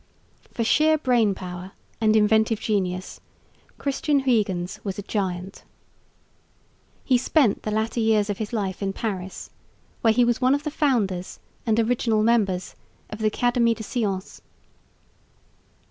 For sheer brain power and inventive genius Christian Huyghens was a giant. He spent the later years of his life in Paris, where he was one of the founders and original members of the Académie des Sciences.